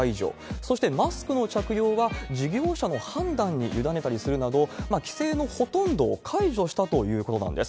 そして、マスクの着用は事業者の判断に委ねたりするなど、規制のほとんどを解除したということなんです。